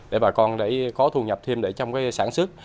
để bà con có thu nhập thêm trong sản xuất